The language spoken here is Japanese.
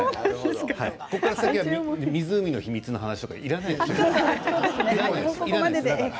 ここから先は湖の秘密の話とかいらないですか？